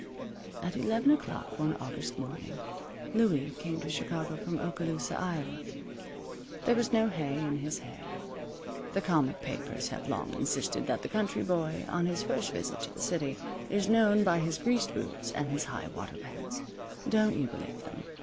At eleven o'clock one August morning, Louie came to Chicago from Oskaloosa, Iowa. There was no hay in his hair. The comic papers have long insisted that the country boy, on his first visit to the city, is known by his greased boots and his high water pants. Don't you believe them.